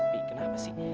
pi kenapa sih